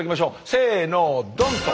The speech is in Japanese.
せのドンと。